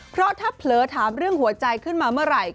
เพราะถ้าเผลอถามเรื่องหัวใจขึ้นมาเมื่อไหร่